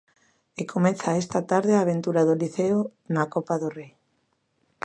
E comeza esta tarde a aventura do Liceo na Copa do Rei.